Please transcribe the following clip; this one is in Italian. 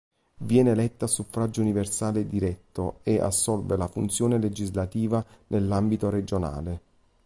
Viene eletto a suffragio universale diretto e assolve la funzione legislativa nell'ambito regionale.